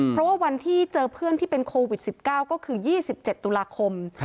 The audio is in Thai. เพราะว่าวันที่เจอเพื่อนที่เป็นโควิด๑๙ก็คือ๒๗ตุลาคม